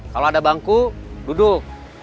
kalau ada bangku duduk